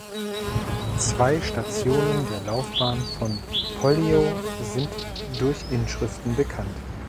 Zwei Stationen der Laufbahn von Pollio sind durch Inschriften bekannt.